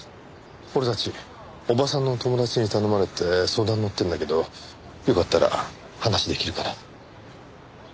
俺たち伯母さんの友達に頼まれて相談にのってるんだけどよかったら話できるかな？